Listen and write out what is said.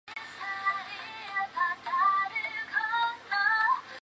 次年任右江镇总兵。